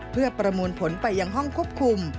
เพื่อประมวลผลไปยังห้องควบคุม